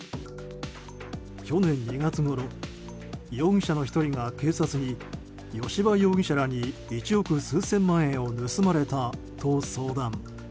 去年２月ごろ容疑者の１人が、警察に吉羽容疑者らに１億数千万円を盗まれたと相談。